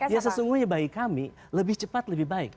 ya sesungguhnya bagi kami lebih cepat lebih baik